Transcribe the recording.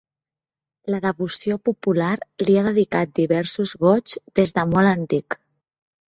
La devoció popular li ha dedicat diversos Goigs des de molt antic.